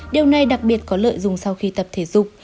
điều này đặc biệt có lợi dùng sau khi tập thể dục